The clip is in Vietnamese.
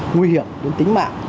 nguy hiểm đến tính mạng